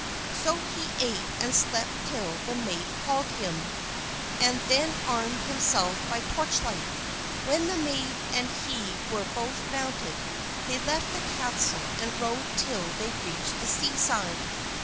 So he ate and slept till the maid called him, and then armed himself by torchlight. When the maid and he were both mounted they left the castle and rode till they reached the seaside.